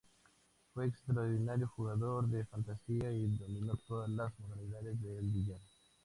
Fue un extraordinario jugador de fantasía y dominó todas las modalidades del billar.